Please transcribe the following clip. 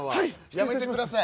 やめてください！